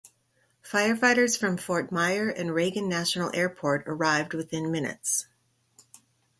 Firefighters from Fort Myer and Reagan National Airport arrived within minutes.